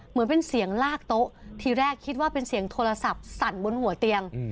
เหมือนเป็นเสียงลากโต๊ะทีแรกคิดว่าเป็นเสียงโทรศัพท์สั่นบนหัวเตียง